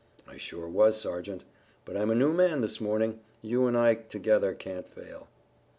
"I surely was, Sergeant, but I'm a new man this morning. You and I together can't fail."